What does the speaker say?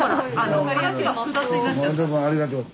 でもありがとう。